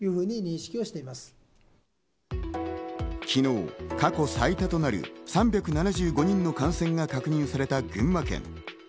昨日、過去最多となる３７５人の感染が確認された群馬県。